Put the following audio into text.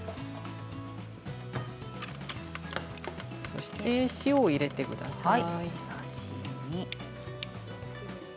そして塩を入れてください。